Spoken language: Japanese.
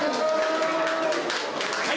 はい。